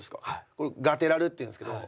これガテラルっていうんですけど。